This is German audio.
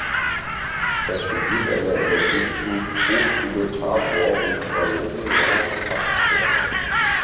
Er studierte an der Evangelische Hochschule Tabor und war mehrere Jahre Pastor.